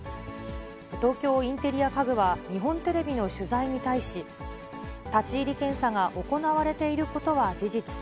東京インテリア家具は、日本テレビの取材に対し、立ち入り検査が行われていることは事実。